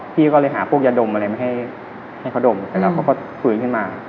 พี่ก็เลยหาพวกยาดมอะไรมาให้เขาดมเสร็จแล้วเขาก็ฟื้นขึ้นมา